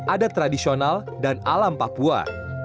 adat tradisional dan alam papua